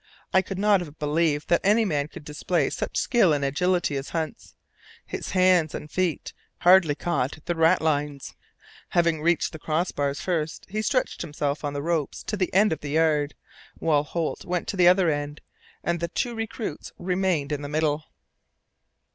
I could not have believed that any man could display such skill and agility as Hunt's. His hands and feet hardly caught the ratlines. Having reached the crossbars first, he stretched himself on the ropes to the end of the yard, while Holt went to the other end, and the two recruits remained in the middle.